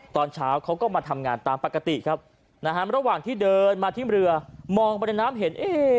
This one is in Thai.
ตอนเช้าเขาก็มาทำงานตามปกติครับนะฮะระหว่างที่เดินมาที่เรือมองไปในน้ำเห็นเอ๊